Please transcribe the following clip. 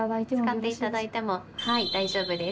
使っていただいても大丈夫です。